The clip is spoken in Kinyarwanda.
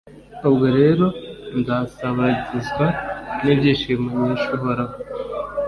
Ubwo rero nzasabagizwa n’ibyishimo nkesha Uhoraho